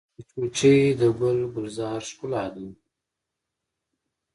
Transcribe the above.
مچمچۍ د ګل ګلزار ښکلا ده